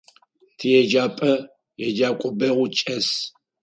Тиеджапӏэ еджакӏо бэу чӏэс.